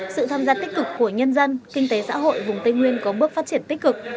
sự tham gia tích cực của nhân dân kinh tế xã hội vùng tây nguyên có bước phát triển tích cực